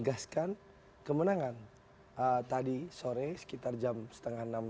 yang tempat ketteng kerja kita